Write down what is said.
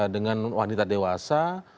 dengan wanita dewasa